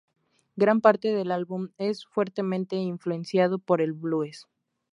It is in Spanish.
Gran parte del álbum es fuertemente influenciado por el blues.